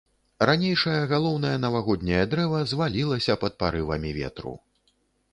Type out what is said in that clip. Ранейшае галоўнае навагодняе дрэва звалілася пад парывамі ветру.